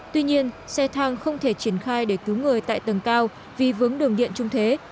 tuy nhiên xe thang không thể triển khai để cứu người tại tầng cao vì vướng đường điện trung thế